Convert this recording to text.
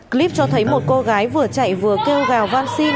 clip cho thấy một cô gái vừa chạy vừa kêu gào văn xin